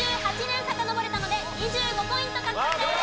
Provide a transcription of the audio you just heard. ２８年さかのぼれたので２５ポイント獲得です！